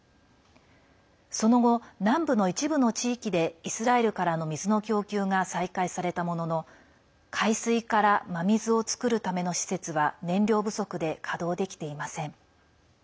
その後、南部の一部の地域でイスラエルからの水の供給が再開されたものの海水から真水を作るための施設は燃料不足で稼働できていません。